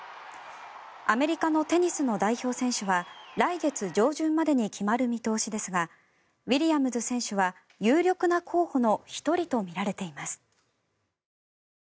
アメリカのテニスの代表選手は来月上旬までに決まる見通しですがウィリアムズ選手は有力な候補の１人とみられています。